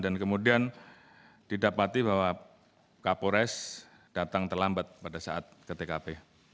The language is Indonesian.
dan kemudian didapati bahwa kapolres datang terlambat pada saat ke tkp